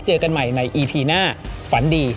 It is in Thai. เจอกันใหม่ในอีพีหน้าฝันดี